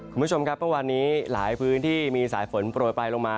คุณผู้ชมครับเมื่อวานนี้หลายพื้นที่มีสายฝนโปรยไปลงมา